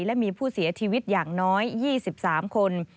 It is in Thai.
และมีผู้เสียชีวิตอย่างน้อย๒๓คน